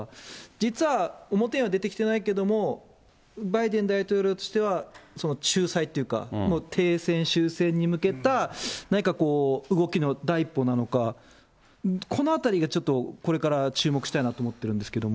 実は表には出てきてないけれども、バイデン大統領としては仲裁っていうか、停戦、終戦に向けた、何かこう、動きの第一歩なのか、このあたりがちょっと、これから注目したいなと思ってるんですけれども。